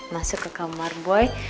masuk ke kamar boy